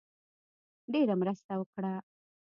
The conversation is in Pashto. ډېره مرسته وکړه.